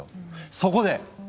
そこで！